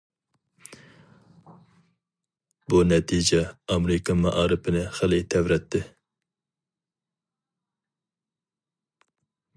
بۇ نەتىجە ئامېرىكا مائارىپىنى خېلى تەۋرەتتى.